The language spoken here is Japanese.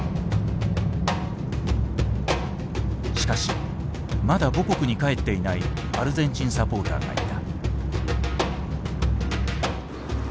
しかしまだ母国に帰っていないアルゼンチンサポーターがいた。